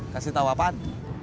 kasih tahu apaan